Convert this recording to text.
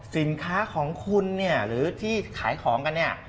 สินค้าของคุณหรือที่ขายของกัน